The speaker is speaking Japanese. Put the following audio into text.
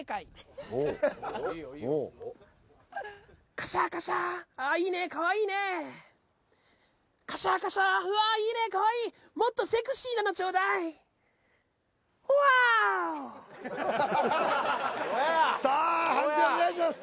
カシャカシャああいいねかわいいねカシャカシャうわいいねかわいいもっとセクシーなのちょうだいフワーオさあ判定お願いします